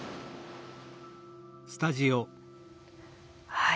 はい。